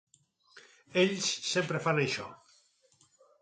Ells sempre fan això.